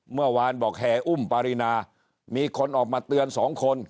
เมื่อวานบอกแห่อุ้มปารินามีคนออกมาเตือนสองคน